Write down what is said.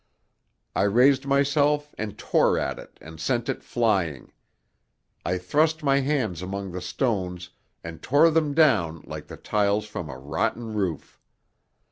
I raised myself and tore at it and sent it flying. I thrust my hands among the stones and tore them down like the tiles from a rotten roof.